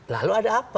lalu ada apa